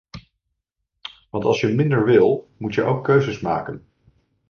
Want als je minder wil, moet je ook keuzes maken.